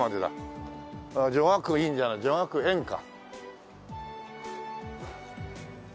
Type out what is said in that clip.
女学院じゃない女学園か。